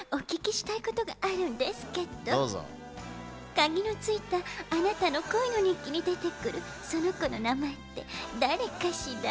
鍵のついたあなたの恋の日記に出てくるその娘の名前ってだれかしら？